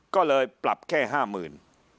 ก็เลยปรับแค่๕หมื่น